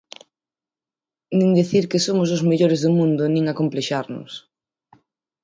Nin dicir que somos os mellores do mundo nin acomplexarnos.